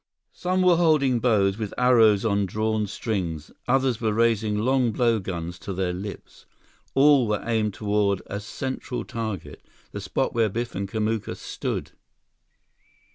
Some were holding bows, with arrows on drawn strings. Others were raising long blowguns to their lips. All were aimed toward a central target; the spot where Biff and Kamuka stood.